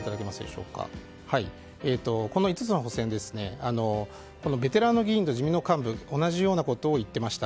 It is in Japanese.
この５つの補選ベテランの議員と自民党の幹部が同じようなことを言っていました。